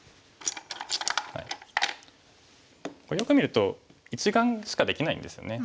よく見ると１眼しかできないんですよね。